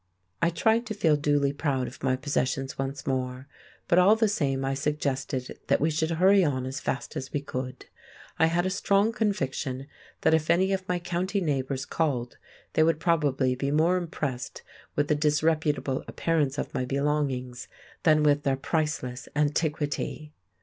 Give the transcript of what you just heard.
I tried to feel duly proud of my possessions once more; but all the same I suggested that we should hurry on as fast as we could; I had a strong conviction that if any of my county neighbours called, they would probably be more impressed with the disreputable appearance of my belongings than with their priceless antiquity.